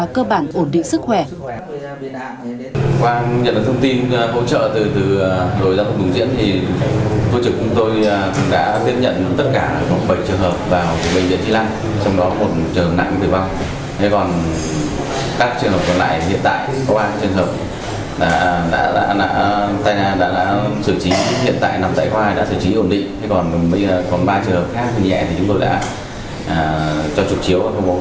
cơ bản ổn định sức khỏe